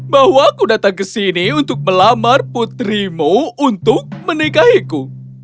bahwa aku datang ke sini untuk melamar putrimu untuk menikahiku